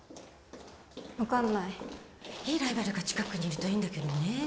分かんないいいライバルが近くにいるといいんだけどねえ